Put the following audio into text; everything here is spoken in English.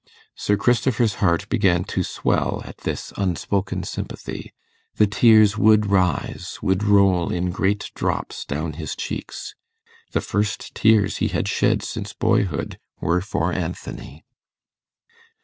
Sir Christopher's heart began to swell at this unspoken sympathy; the tears would rise, would roll in great drops down his cheeks. The first tears he had shed since boyhood were for Anthony.